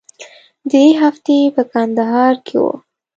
درې هفتې په کندهار کښې وو.